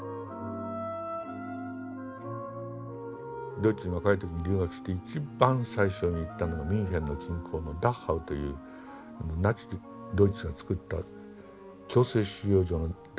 ドイツに若い時に留学して一番最初に行ったのはミュンヘンの近郊のダッハウというナチス・ドイツが作った強制収容所の第１号だったんです。